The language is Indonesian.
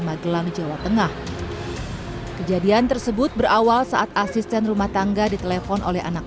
magelang jawa tengah kejadian tersebut berawal saat asisten rumah tangga ditelepon oleh anak